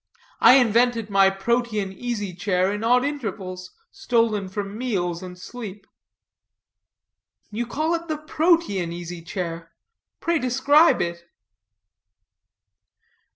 I invented my Protean easy chair in odd intervals stolen from meals and sleep." "You call it the Protean easy chair; pray describe it."